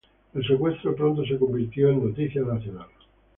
El secuestro pronto se convirtió en noticia nacional.